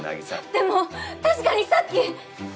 でも確かにさっき！